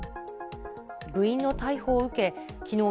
部員の逮捕を受け、きのう、